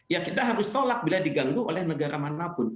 ya kita harus tolak bila diganggu oleh negara manapun